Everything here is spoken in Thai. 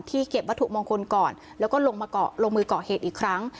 เก็บวัตถุมงคลก่อนแล้วก็ลงมาเกาะลงมือก่อเหตุอีกครั้ง